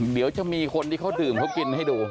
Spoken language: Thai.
เดี๋ยวจะมีคนที่เขาดื่มเขากินให้ดู